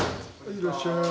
いらっしゃい。